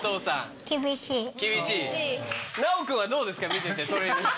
見ててトレーニング。